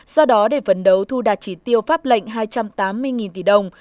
do đó để phấn đấu thu đạt chỉ tiêu pháp lệnh hai trăm tám mươi tỷ đồng